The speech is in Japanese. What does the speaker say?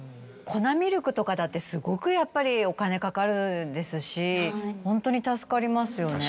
粉ミルクとかだってすごくやっぱりお金かかるですしホントに助かりますよね。